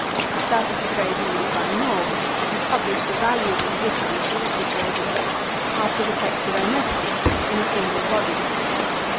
That is the phrase used by Nobbe, who published a valuable edition of all HIS RETURN FROM EXILE. 5 Cicero's works after the text of Ernesti in a single volume.